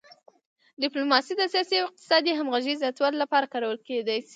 ډیپلوماسي د سیاسي او اقتصادي همغږۍ زیاتولو لپاره کارول کیدی شي